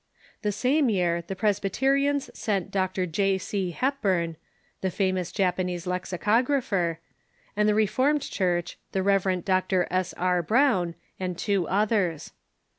The same year the Pres byterians sent Dr. J. C. Hepburn, the famous Japanese lexi cographer, and the Reformed Church the Rev. Dr. S. R. Brown, and two others.